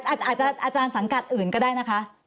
อาจารย์สังกัดอื่นก็ได้นะคะ